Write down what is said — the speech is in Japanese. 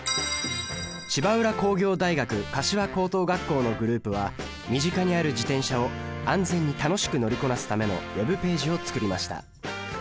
芝浦工業大学柏高等学校のグループは身近にある自転車を安全に楽しく乗りこなすためのＷｅｂページを作りました。